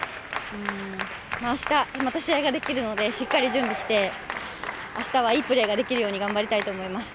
明日、また試合ができるので、しっかり準備して明日はいいプレーができるように頑張りたいと思います。